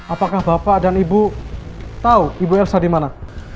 apakah bapak dan ibu tau ibu elsa dimana